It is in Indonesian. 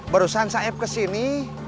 barusan saeb kesini